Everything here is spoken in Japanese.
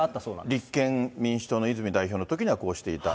立憲民主党の泉代表のときにはこうしていた。